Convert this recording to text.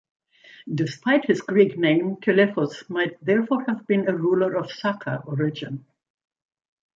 Despite his Greek name, Telephos might therefore have been a ruler of Saka origin.